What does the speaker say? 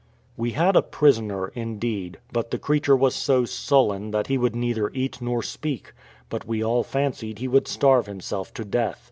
We had a prisoner, indeed, but the creature was so sullen that he would neither cat nor speak, and we all fancied he would starve himself to death.